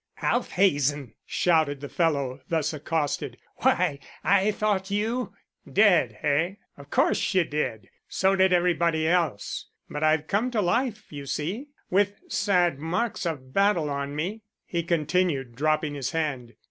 "Alf Hazen!" shouted the fellow, thus accosted. "Why, I thought you " "Dead, eh? Of course you did. So did everybody else. But I've come to life, you see. With sad marks of battle on me," he continued, dropping his hand.